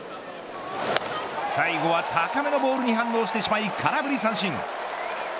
最後は高めのボールに反応してしまい、空振り三振。